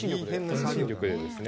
遠心力でですね。